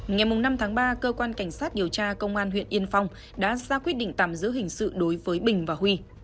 ngày năm tháng ba cơ quan cảnh sát điều tra công an huyện yên phong đã ra quyết định tạm giữ hình sự đối với bình và huy